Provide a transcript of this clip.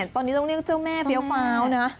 ตอนนี้ต้องเรียกเจ้าแม่เฟี้ยวฟ้าวนะ